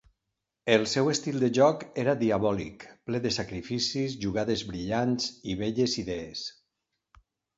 El seu estil de joc era diabòlic, ple de sacrificis, jugades brillants, i belles idees.